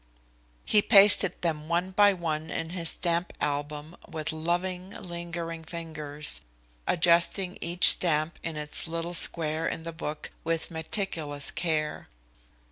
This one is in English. He pasted them one by one in his stamp album with loving, lingering fingers, adjusting each stamp in its little square in the book with meticulous care.